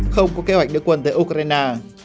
không có kế hoạch đưa quân tới ukraine